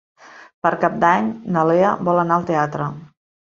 Per Cap d'Any na Lea vol anar al teatre.